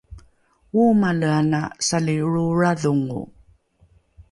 oomale ana salilroolradhongo